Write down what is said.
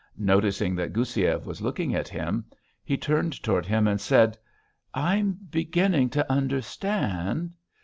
Noticing that Goussiev was looking at him, he turned toward him and said: "I'm beginning to understand....